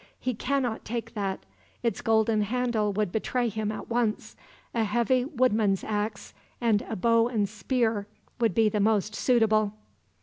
"'He cannot take that. Its golden handle would betray him, at once. A heavy woodman's ax, and a bow and spear, would be the most suitable.'